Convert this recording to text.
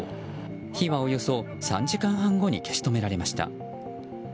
火はおよそ３時間半後に消し止められました。